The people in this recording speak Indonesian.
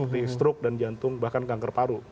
beberapa struk dan jantung bahkan kanker paru